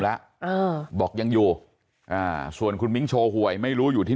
แล้วอ่าบอกยังอยู่อ่าส่วนคุณมิ้งโชว์หวยไม่รู้อยู่ที่